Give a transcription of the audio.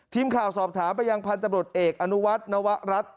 ทีมข่าวสอบถามไปยังพันธบรวจเอกอนุวัฒนวรัฐ